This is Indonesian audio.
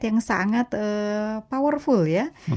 yang sangat powerful ya